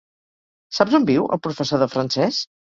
Saps on viu el professor de francès?